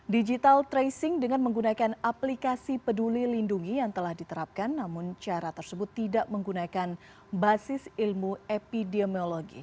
digital tracing dengan menggunakan aplikasi peduli lindungi yang telah diterapkan namun cara tersebut tidak menggunakan basis ilmu epidemiologi